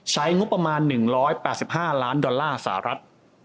ใช้งบประมาณ๑๘๕ล้านดอลลาร์สหรัฐ